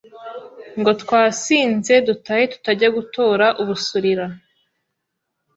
ngo twasinze dutahe tutajya gutora ubusurira”